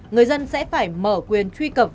người dân sẽ phải mở quyền truy cập